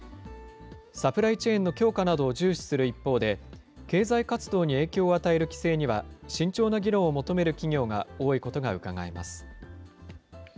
サプライチェーンの強化などを重視する一方で、経済活動に影響を与える規制には、慎重な議論を求める企業が多いことがうかがえます。